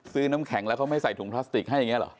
น้ำแข็งแล้วเขาไม่ใส่ถุงพลาสติกให้อย่างนี้หรอ